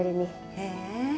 へえ。